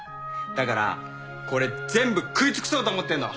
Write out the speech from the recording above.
だからこれ全部食い尽くそうと思ってんの！